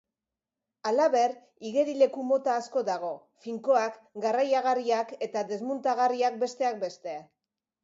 Halaber, igerileku-mota asko dago, finkoak, garraiagarriak eta desmuntagarriak besteak beste.